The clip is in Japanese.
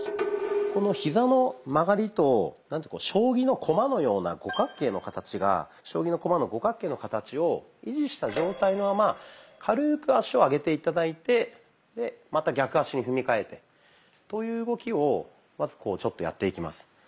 このヒザの曲がりと将棋の駒のような五角形の形を維持した状態のまま軽く足を上げて頂いてまた逆足に踏みかえてという動きをまずちょっとやっていきます。